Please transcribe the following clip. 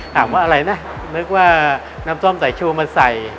ถามว่าอะไรนะนึกว่าน้ำส้มสายชูมาใส่